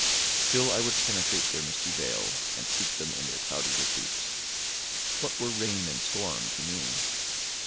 Still I would penetrate their misty veil and seek them in their cloudy retreats. What were rain and storm to me?